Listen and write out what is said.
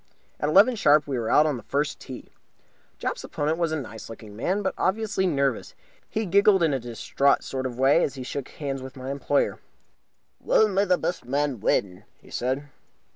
At eleven sharp we were out on the first tee. Jopp's opponent was a nice looking young man, but obviously nervous. He giggled in a distraught sort of way as he shook hands with my employer. "Well, may the best man win," he said.